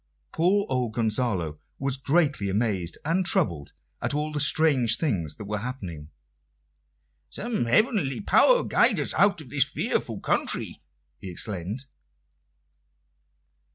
Poor old Gonzalo was greatly amazed and troubled at all the strange things that were happening. "Some heavenly power guide us out of this fearful country!" he exclaimed.